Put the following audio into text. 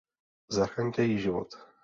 Zachraňte jí život!